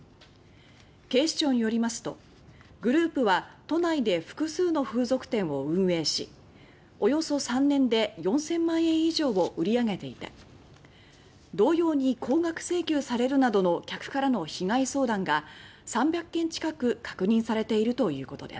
警視庁によりますとグループは都内で複数の風俗店を運営しおよそ３年で４０００万円以上売り上げていて同様に高額請求されるなどの客からの被害相談が３００件近く確認されているということです。